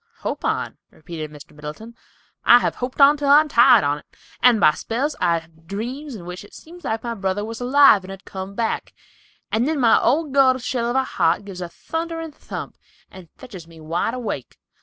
"Hope on," repeated Mr. Middleton. "I have hoped on till I am tired on't, and by spells I have dreams in which it seems like my brother was alive and had come back, and then my old gourd shell of a heart gives a thunderin' thump, and fetches me up wide awake.